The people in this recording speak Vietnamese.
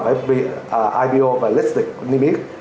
với ipo và listed limit